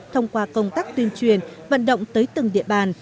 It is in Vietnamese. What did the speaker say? thông qua công tác tuyên truyền vận động tới từng địa bàn